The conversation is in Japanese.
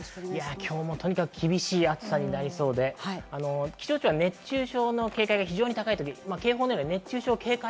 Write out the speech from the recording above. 今日もとにかく厳しい暑さになりそうで、気象庁は熱中症の警戒が非常に高いとき、警報のような熱中症警戒